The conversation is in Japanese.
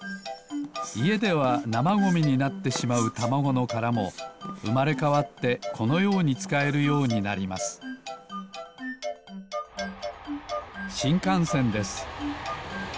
いえではなまゴミになってしまうたまごのからもうまれかわってこのようにつかえるようになりますしんかんせんです